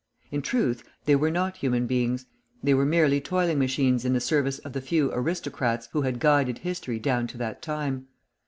In truth, they were not human beings; they were merely toiling machines in the service of the few aristocrats who had guided history down to that time.